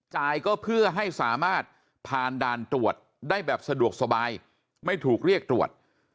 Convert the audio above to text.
จ่ายก็เพื่อให้สามารถผ่านด่านตรวจได้แบบสะดวกสบายไม่ถูกเรียกตรวจ